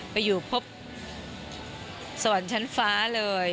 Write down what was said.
ไปอยู่ครบสวรรค์ชั้นฟ้าเลย